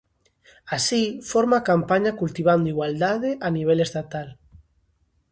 Así forma a campaña cultivando igualdade a nivel estatal.